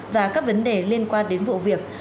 và các vấn đề liên quan đến vụ việc